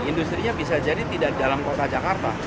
industrinya bisa jadi tidak dalam kota jakarta